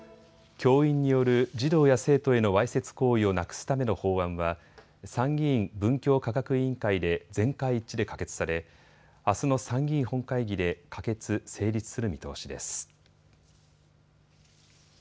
教員による児童や生徒へのわいせつ行為をなくすための法案は参議院文教科学委員会で全会一致で可決されあすの参議院本会議で可決・成立する見通しです。